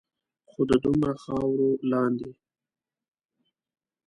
خو د دومره خاورو لاندے